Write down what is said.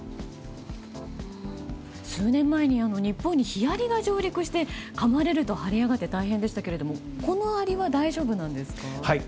数年前に日本にヒアリが上陸してかまれると腫れ上がって大変でしたけれどこのアリは大丈夫なんですか。